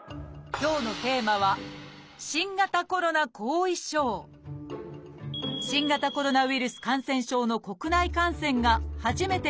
今日のテーマは新型コロナウイルス感染症の国内感染が初めて確認されてから３年。